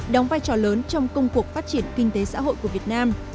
đóng vai trò lớn trong công cuộc phát triển kinh tế xã hội của việt nam